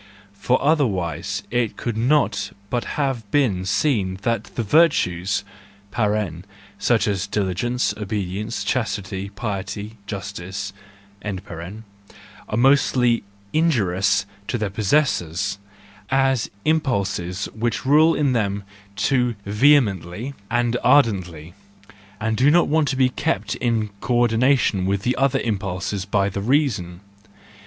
For otherwise it could not but have been seen that the virtues (such as diligence, obedience, chastity, piety, justice) are mostly injurious to their possessors, as impulses which rule in them too vehemently and ardently, and do not want to be kept in co ordination with the other im¬ pulses by the reason.